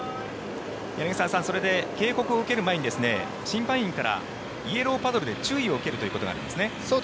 柳澤さん、それで警告を受ける前に審判員からイエローパドルで注意を受けるということがあるんですね。